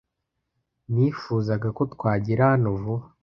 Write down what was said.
Nifuzaga ko twagera hano vuba.